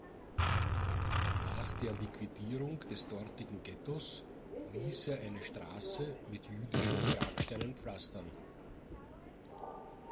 Nach der Liquidierung des dortigen Ghettos ließ er eine Straße mit jüdischen Grabsteinen pflastern.